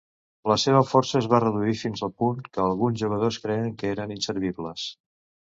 La seva força es va reduir fins el punt que alguns jugadors creien que eren inservibles.